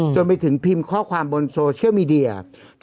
จนไปถึงพิมพ์ข้อความบนโซเชียลมีเดีย